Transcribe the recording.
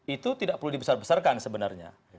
itu tidak perlu dibesar besarkan sebenarnya